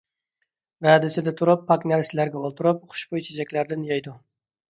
ۋەدىسىدە تۇرۇپ، پاك نەرسىلەرگە ئولتۇرۇپ، خۇشبۇي چېچەكلەردىن يەيدۇ.